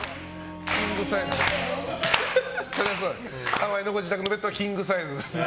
ハワイのご自宅のベッドはキングサイズと。